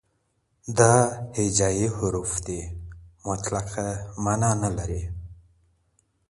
دا هجائي حروف دی، مطلقه معنا نلري.